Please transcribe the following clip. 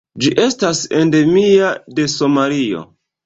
Ĝi estas endemia de Somalio.